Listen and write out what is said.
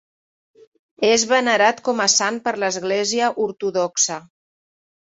És venerat com a sant per l'Església ortodoxa.